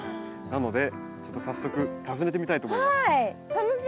なのでちょっと早速訪ねてみたいと思います。